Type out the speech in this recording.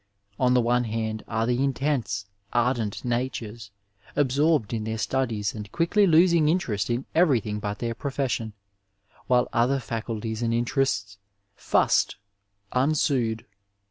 On the one hand are the intense, ardent natures, absorbed in their studies and quickly losing interest in everything but their profession, while other faculties and interests " fust " unsued.